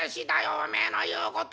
おめえの言うことは」。